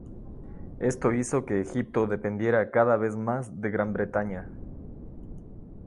Esto hizo que Egipto dependiera cada vez más de Gran Bretaña.